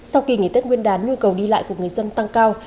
sau kỳ nghỉ tết nguyên đán nhu cầu đi lại của người dân tăng cao